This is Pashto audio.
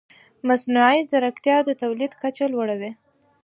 مصنوعي ځیرکتیا د تولید کچه لوړه وي.